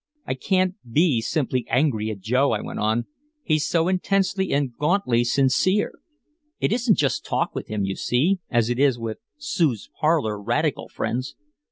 "I can't be simply angry at Joe," I went on. "He's so intensely and gauntly sincere. It isn't just talk with him, you see, as it is with Sue's parlor radical friends.